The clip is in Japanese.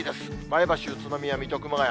前橋、宇都宮、水戸、熊谷。